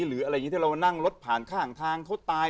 หรืออะไรอย่างนี้ถ้าเรานั่งรถผ่านข้างทางเขาตาย